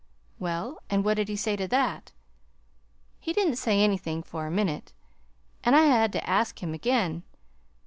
"Well, and what did he say to that?" "He didn't say anything for a minute, and I had to ask him again.